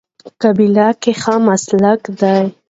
قابله ګي ښه مسلک دی